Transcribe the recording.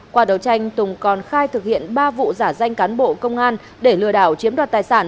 qua đấu tranh tùng còn khai thực hiện ba vụ giả danh cán bộ công an để lừa đảo chiếm đoạt tài sản